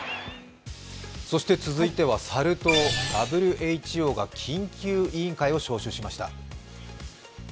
続いてはサル痘ＷＨＯが緊急委員会を招集しました。